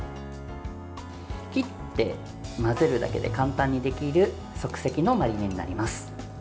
切って混ぜるだけで簡単にできる即席のマリネになります。